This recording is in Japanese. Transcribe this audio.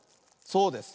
そうです。